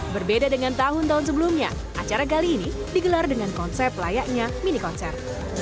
berbeda dengan tahun tahun sebelumnya acara kali ini digelar dengan konsep layaknya mini konser